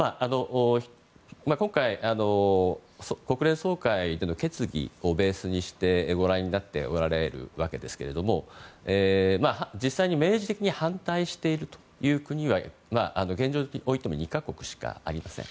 今回、国連総会での決議をベースにしてご覧になっておられるわけですけれども実際に明示的に反対している国は現状、２か国しかありません。